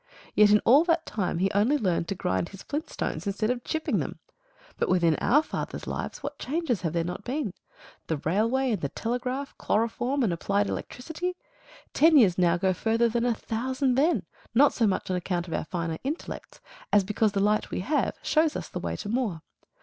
Yet in all that time he only learned to grind his flint stones instead of chipping them. But within our father's lives what changes have there not been? The railway and the telegraph, chloroform and applied electricity. Ten years now go further than a thousand then, not so much on account of our finer intellects as because the light we have shows us the way to more.